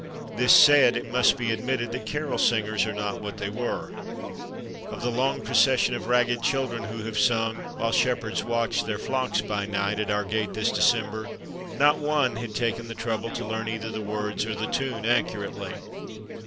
This said, it must be admitted that carol singers are not what they were. Of the long procession of ragged children who have sung " While shepherds watched their flocks by night" at our gate this December, not one had taken the trouble to learn either 74 THE DAY BEFORE YESTERDAY the words or the tune accurately.